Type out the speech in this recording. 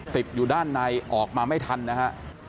ติดอยู่ด้านในออกมาไม่ทันนะฮะ